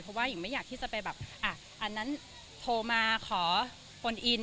เพราะว่าหญิงไม่อยากที่จะไปแบบอ่ะอันนั้นโทรมาขอโอนอิน